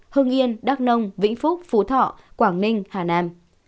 hưng yên đắk nông vĩnh phúc phú thọ quảng ninh hà nam